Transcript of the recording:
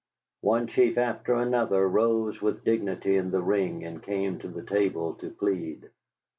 One chief after another rose with dignity in the ring and came to the table to plead.